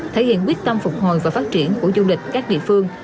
thể hiện quyết tâm phục hồi và phát triển của du lịch các địa phương